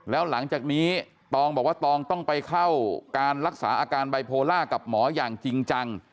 แล้วหลังจากนี้ตองบอกว่าตองต้องไปเข้าการรักษาอาการไบโพล่ากับหมออย่างจริงจัง